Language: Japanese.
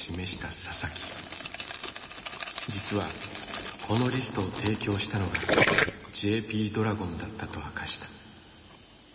実はこのリストを提供したのがＪＰドラゴンだったと明かした。